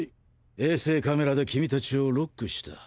衛星カメラで君達をロックした。